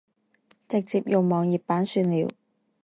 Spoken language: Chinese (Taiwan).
直接用網頁版算了